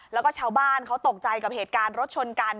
แล้วก็ชาวบ้านเขาตกใจกับเหตุการณ์รถชนกัน